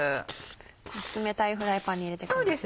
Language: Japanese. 冷たいフライパンに入れていくんですね。